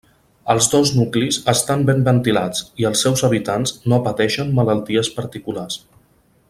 Els dos nuclis estan ben ventilats, i els seus habitants no pateixen malalties particulars.